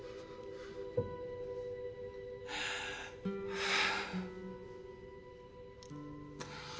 はあ。